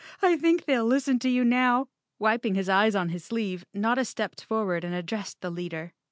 "I think they'll listen to you now. Wiping his eyes on his sleeve, Notta stepped forward and addressed the leader.